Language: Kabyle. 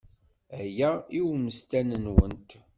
Aya i ummesten-nwent.